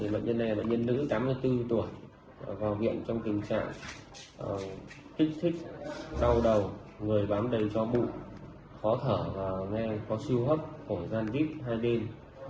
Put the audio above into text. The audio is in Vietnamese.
bệnh nhân này là nạn nhân nữ tám mươi bốn tuổi vào viện trong tình trạng kích thích đau đầu người bám đầy cho bụng khó thở và nghe có suy hấp khổ gian dít hai bên